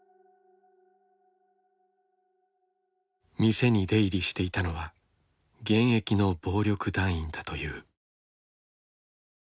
店に出入りしていたのは現役の暴力団員だという。